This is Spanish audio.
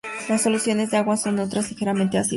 Las soluciones en agua son neutras o ligeramente ácidas.